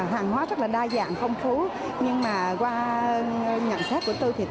hàng hóa rất là đa dạng phong phú nhưng mà qua nhận xét của tôi thì